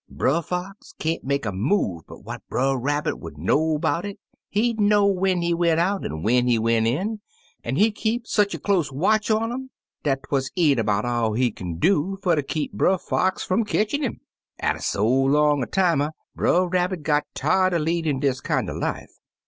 " Brer Fox can't make a move but what Brer Rabbit would know 'bout it ; he know'd when he went out an' when he went in, an* he keep sech a close watch on um dat 'twuz e'en about all he kin do fer ter keep Brer Fox fum ketchin' 'im. Atter so long a timer Brer Rabbit got tired er leadin' dis kinder life.